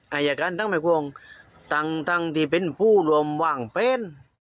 อายการทั้งหมายกวงทั้งที่เป็นห่วงหว้างเพล